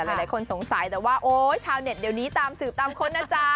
หลายคนสงสัยแต่ว่าโอ๊ยชาวเน็ตเดี๋ยวนี้ตามสืบตามค้นนะจ๊ะ